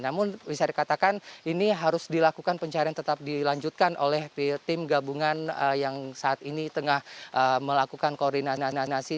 namun bisa dikatakan ini harus dilakukan pencarian tetap dilanjutkan oleh tim gabungan yang saat ini tengah melakukan koordinasi